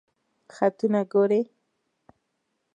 خطونه ګوری؟